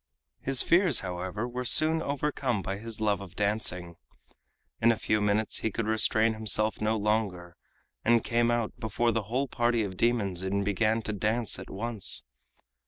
His fears, however, were soon overcome by his love of dancing. In a few minutes he could restrain himself no longer, and came out before the whole party of demons and began to dance at once.